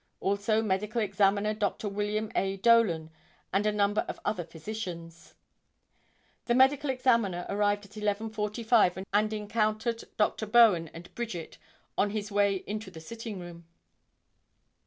Also Medical Examiner Dr. William A. Dolan and a number of other physicians. The Medical Examiner arrived at 11:45 and encountered Dr. Bowen and Bridget on his way into the sitting room.